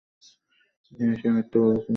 সে মিথ্যা বলছে, স্যার।